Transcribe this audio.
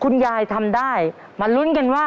กล่อข้าวหลามใส่กระบอกภายในเวลา๓นาที